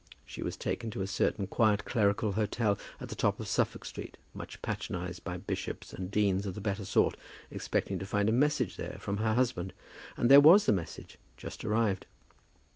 She was taken to a certain quiet clerical hotel at the top of Suffolk Street, much patronized by bishops and deans of the better sort, expecting to find a message there from her husband. And there was the message just arrived.